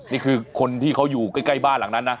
นี่คือคนที่เขาอยู่ใกล้บ้านหลังนั้นนะ